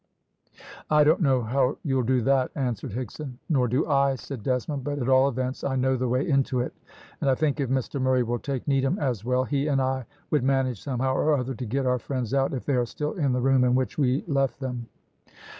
"I don't know how you'll do that," answered Higson. "Nor do I," said Desmond; "but at all events I know the way into it, and I think, if Mr Murray will take Needham as well, he and I would manage somehow or other to get our friends out, if they are still in the room in which we left them."